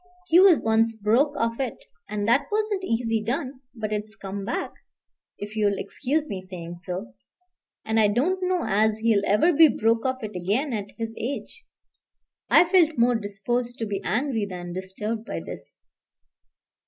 He was once broke of it, and that wasn't easy done; but it's come back, if you'll excuse me saying so. And I don't know as he'll ever be broke of it again at his age." I felt more disposed to be angry than disturbed by this.